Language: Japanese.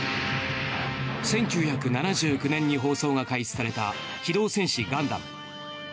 １９７９年に放送が開始された「機動戦士ガンダム」。